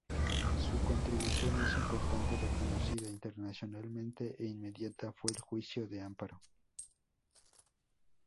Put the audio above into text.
Su contribución más importante, reconocida internacionalmente, e inmediata fue el Juicio de amparo.